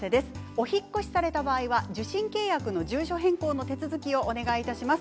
お引っ越しされた場合は受信契約の住所変更の手続きをよろしくお願いいたします。